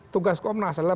tugas komnas adalah